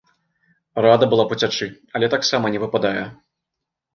Рада была б уцячы, але таксама не выпадае.